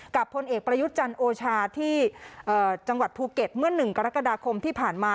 กับคนเอกประยุจรรย์โอชาที่ภูเก็ตเมื่อหนึ่งกรกฎาคมที่ผ่านมา